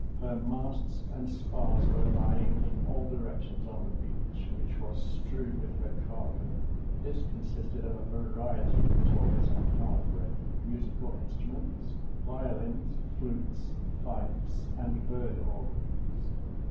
Her masts and spars were lying in all directions on the beach, which was strewed with her cargo. This consisted of a variety of toys and hardware, musical instruments, violins, flutes, fifes, and bird organs.